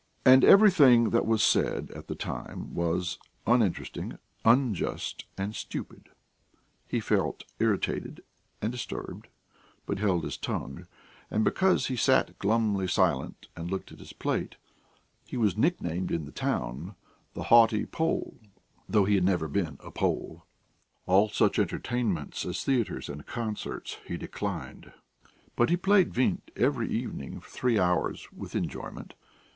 And everything that was said at the time was uninteresting, unjust, and stupid; he felt irritated and disturbed, but held his tongue, and, because he sat glumly silent and looked at his plate, he was nicknamed in the town "the haughty Pole," though he never had been a Pole. All such entertainments as theatres and concerts he declined, but he played vint every evening for three hours with enjoyment.